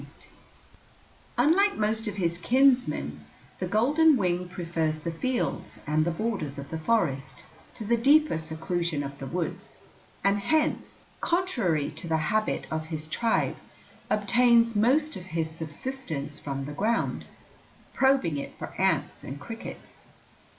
[Illustration: FLICKER] Unlike most of his kinsmen, the golden wing prefers the fields and the borders of the forest to the deeper seclusion of the woods, and hence, contrary to the habit of his tribe, obtains most of his subsistence from the ground, probing it for ants and crickets.